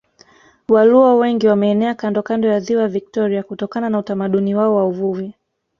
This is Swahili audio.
Waluo wengi wameenea kandokando ya Ziwa Viktoria kutokana na utamaduni wao wa uvuvi